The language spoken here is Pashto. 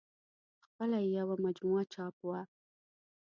په خپله یې یوه مجموعه چاپ وه.